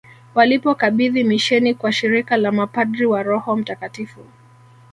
Walipokabidhi misheni kwa shirika la mapadri wa Roho mtakatifu